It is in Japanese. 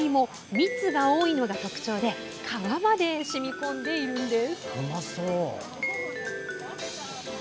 蜜が多いのが特徴で皮まで染み込んでいるんです。